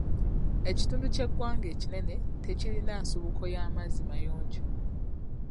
Ekitundu ky'eggwanga ekinene tekirina nsibuko y'amazzi mayonjo.